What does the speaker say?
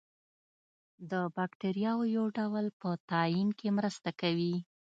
د باکتریاوو د ډول په تعین کې مرسته کوي.